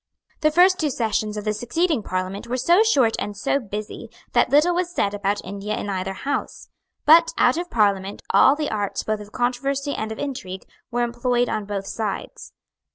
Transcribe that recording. The first two sessions of the succeeding Parliament were so short and so busy that little was said about India in either House. But, out of Parliament, all the arts both of controversy and of intrigue were employed on both sides.